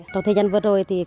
trong thời gian vừa rồi